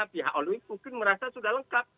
pihak oly mungkin merasa sudah lengkap